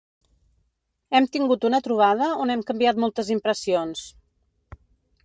Hem tingut una trobada on hem canviat moltes impressions.